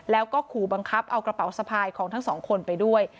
แล้วก็ขู่บังคับเอากระเป๋าสะพายของทั้งสองคนไปด้วย